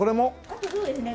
あとそうですね